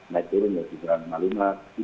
nah itu sudah di beran malingan